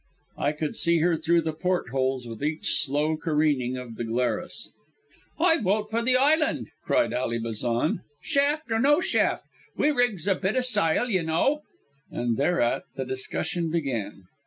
I could see her through the portholes with each slow careening of the Glarus. "I vote for the island," cried Ally Bazan, "shaft or no shaft. We rigs a bit o' syle, y'know " and thereat the discussion began.